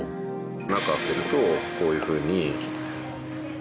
中開けるとこういうふうに。